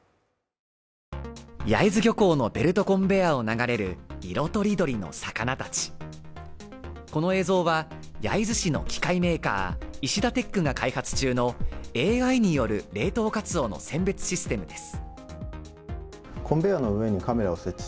焼津漁港のベルトコンベアを流れる色とりどりの魚たちこの映像は焼津市の機械メーカーイシダテックが開発中のＡＩによる冷凍活動の選別システムです